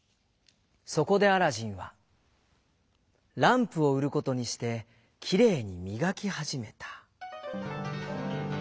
そこでアラジンはランプをうることにしてきれいにみがきはじめた。